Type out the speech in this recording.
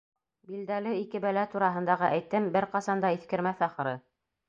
Билдәле ике бәлә тураһындағы әйтем бер ҡасан да иҫкермәҫ, ахыры.